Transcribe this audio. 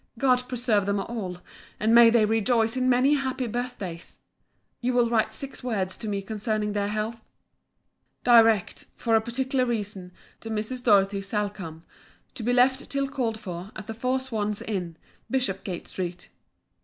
God preserve them all, and may they rejoice in many happy birth days! You will write six words to me concerning their healths. Direct, for a particular reason, to Mrs. Dorothy Salcombe, to be left till called for, at the Four Swans Inn, Bishopsgate street.